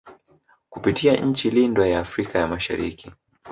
Kupitia nchi lindwa ya Afrika ya mashariki